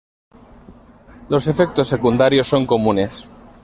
Los efectos secundarios son comunes.